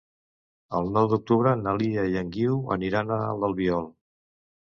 El nou d'octubre na Lia i en Guiu aniran a l'Albiol.